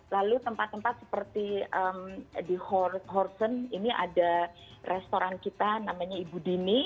lalu tempat tempat seperti di horsen ini ada restoran kita namanya ibu dini